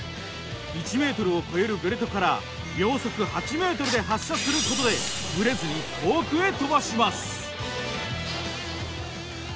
１ｍを超えるベルトから秒速８ｍで発射することでぶれずに遠くへ飛ばします。